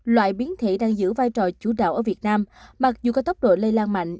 loại biến thể đang giữ vai trò chủ đạo ở việt nam mặc dù có tốc độ lây lan mạnh